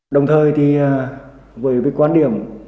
đồng thời thì với cái quan điểm